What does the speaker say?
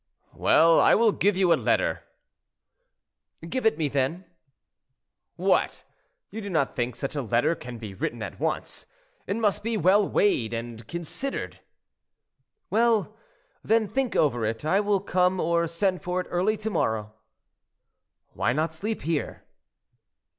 "Well, I will give you a letter." "Give it me, then." "What! you do not think such a letter can be written at once. It must be well weighed and considered." "Well, then, think over it. I will come or send for it early to morrow." "Why not sleep here?"